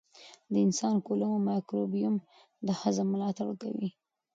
د انسان کولمو مایکروبیوم د هضم ملاتړ کوي.